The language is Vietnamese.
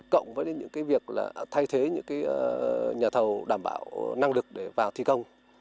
cộng với những việc thay thế những nhà thầu đảm bảo năng lực để vào thi công